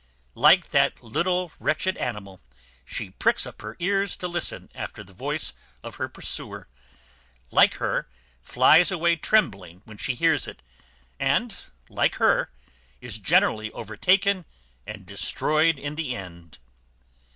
Like that little wretched animal, she pricks up her ears to listen after the voice of her pursuer; like her, flies away trembling when she hears it; and, like her, is generally overtaken and destroyed in the end.